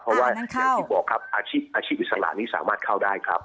เพราะว่าอย่างที่บอกครับอาชีพอิสระนี้สามารถเข้าได้ครับ